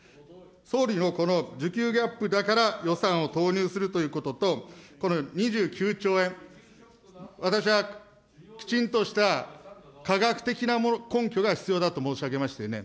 総理のこの需給ギャップだから予算を投入するということと、この２９兆円、私はきちんとした科学的な根拠が必要だと申し上げましたよね。